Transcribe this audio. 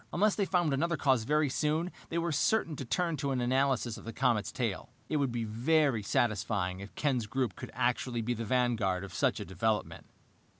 Unless they found another cause very soon, they were certain to turn to an analysis of the comet's tail. It would be very satisfying if Ken's group could actually be in the vanguard of such a development.